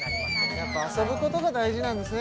やっぱ遊ぶことが大事なんですね